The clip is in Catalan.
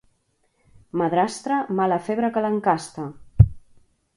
Madrastra, mala febre que l'encasta.